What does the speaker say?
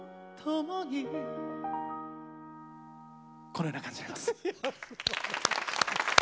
このような感じになります。